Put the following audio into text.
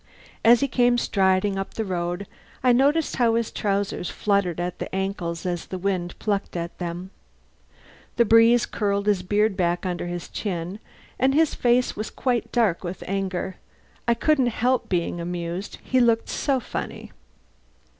As he came striding up the road I noticed how his trousers fluttered at the ankles as the wind plucked at them. The breeze curled his beard back under his chin and his face was quite dark with anger. I couldn't help being amused; he looked so funny.